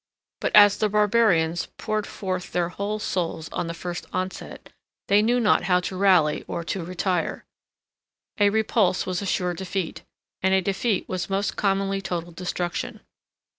But as the barbarians poured forth their whole souls on the first onset, they knew not how to rally or to retire. A repulse was a sure defeat; and a defeat was most commonly total destruction.